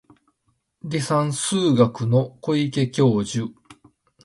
離散数学の小池教授